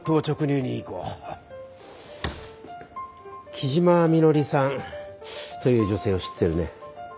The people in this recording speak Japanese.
木嶋みのりさんという女性を知ってるね？